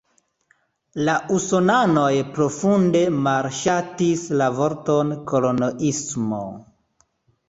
La usonanoj profunde malŝatis la vorton "koloniismo".